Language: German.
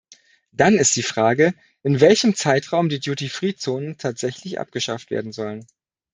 Dann ist die Frage, in welchem Zeitraum die Duty-Free-Zonen tatsächlich abgeschafft werden sollen.